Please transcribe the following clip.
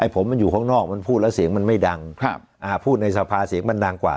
ผมมันอยู่ข้างนอกมันพูดแล้วเสียงมันไม่ดังพูดในสภาเสียงมันดังกว่า